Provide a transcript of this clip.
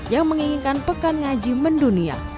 yang menginginkan pekan ngaji mendunia